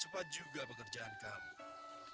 cepat juga pekerjaan kamu